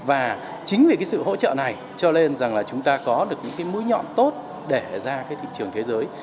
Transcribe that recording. và chính vì cái sự hỗ trợ này cho lên rằng là chúng ta có được những cái mũi nhọn tốt để ra cái thị trường thế giới